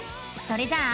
それじゃあ。